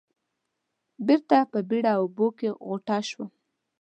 بېرته په بېړه اوبو کې غوټه شوم.